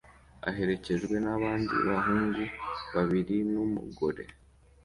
aherekejwe nabandi bahungu babiri numugore